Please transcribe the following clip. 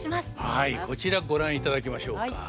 はいこちらご覧いただきましょうか。